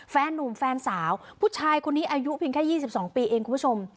แฟนนุ่มแฟนสาวผู้ชายคนนี้อายุเพียงแค่๒๒ปีเองคุณผู้ชม